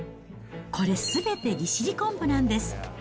これすべて利尻昆布なんです。